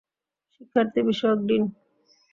শিক্ষার্থী বিষয়ক ডিন।